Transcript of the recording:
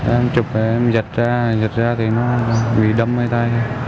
em chụp em giật ra giật ra thì nó bị đâm mấy tay